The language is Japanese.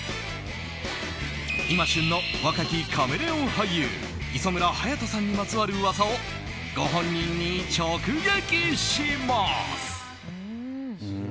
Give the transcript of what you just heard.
今、旬の若きカメレオン俳優磯村勇斗さんにまつわる噂をご本人に直撃します。